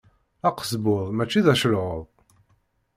Aqesbuḍ mačči d acelɛuḍ.